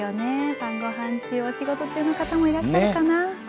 晩ごはん中お仕事中の方もいらっしゃるかな。